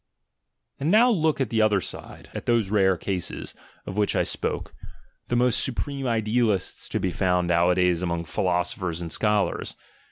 And now look at the other side, at those rare cases, of which I spoke, the most supreme idealists to be found nowadays among philosophers and scholars.